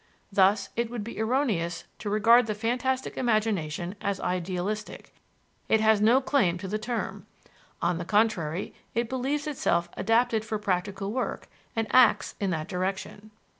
Thus, it would be erroneous to regard the fantastic imagination as idealistic; it has no claim to the term: on the contrary, it believes itself adapted for practical work and acts in that direction.